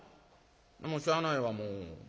もうしゃあないわもう。